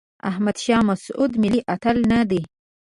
احمد شاه مسعود ملي اتل نه دی.